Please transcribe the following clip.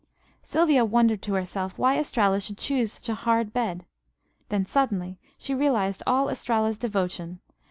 Sylvia wondered to herself why Estralla should choose such a hard bed. Then, suddenly, she realized all Estralla's devotion.